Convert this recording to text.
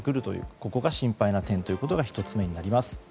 ここが心配な点の１つ目になります。